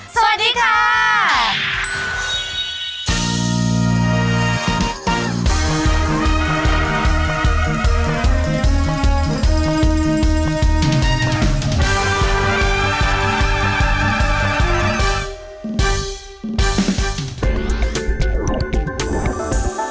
สวัสดีค่ะ